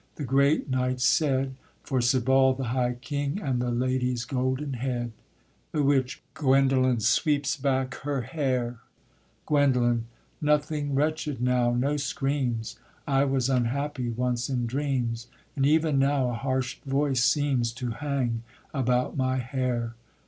the great knights said, For Sebald the high king, And the lady's golden head. THE WITCH. Woe is me! Guendolen Sweeps back her hair. GUENDOLEN. Nothing wretched now, no screams; I was unhappy once in dreams, And even now a harsh voice seems To hang about my hair.